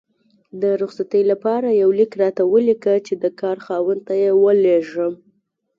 د رخصتي لپاره یو لیک راته ولیکه چې د کار خاوند ته یې ولیږم